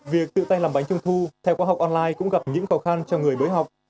việc tự tay làm bánh trung thu theo khoa học online cũng gặp những khó khăn cho người mới học